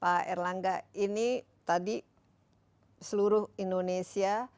pak erlangga ini tadi seluruh indonesia